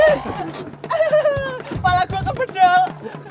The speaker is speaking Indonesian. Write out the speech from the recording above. ah kepala gua kepedel